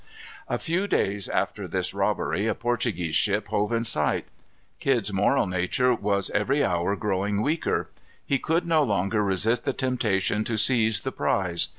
A few days after this robbery a Portuguese ship hove in sight. Kidd's moral nature was every hour growing weaker. He could no longer resist the temptation to seize the prize.